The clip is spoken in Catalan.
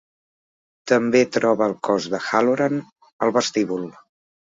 També troba el cos de Hallorann al vestíbul.